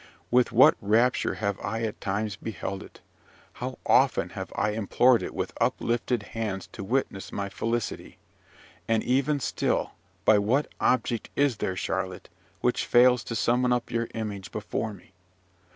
With what rapture have I at times beheld it! How often have I implored it with uplifted hands to witness my felicity! and even still But what object is there, Charlotte, which fails to summon up your image before me?